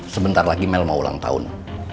sebentar lagi mel mau ulang tahun